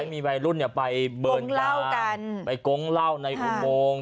มีวัยรุ่นเนี่ยไปเบิร์นกาไปโก๊งเหล้าในอุโมง